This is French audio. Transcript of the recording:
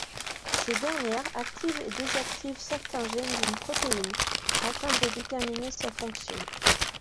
Ces dernières activent et désactivent certains gènes d’une protéine afin de déterminer sa fonction.